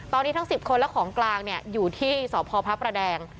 ตอนนี้ทั้ง๑๐คนและของกลางอยู่ที่สพพระประแดง